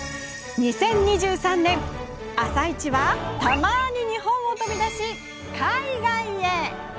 ２０２３年「あさイチ」はたまに日本を飛び出し海外へ！